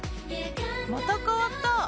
また変わった！